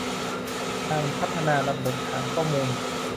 การพัฒนาระบบฐานข้อมูล